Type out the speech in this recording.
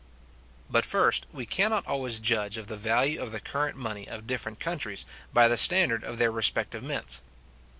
But, first, We cannot always judge of the value of the current money of different countries by the standard of their respective mints.